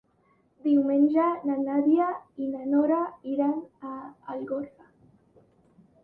Diumenge na Nàdia i na Nora iran a Algorfa.